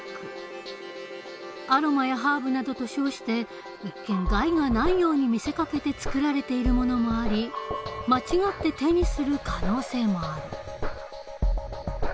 アロマやハーブなどと称して一見害がないように見せかけて作られているものもあり間違って手にする可能性もある。